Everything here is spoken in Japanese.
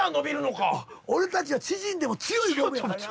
俺たちは縮んでも強い性分やからな。